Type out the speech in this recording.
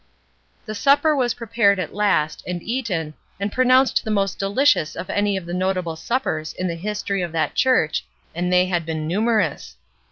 The supper was prepared at last, and eaten, and pronounced the most deUcious of any of the notable suppers in the history of that church, and they had been numerous.